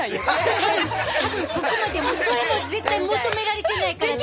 多分多分そこまで向こうも絶対求められてないから大丈夫。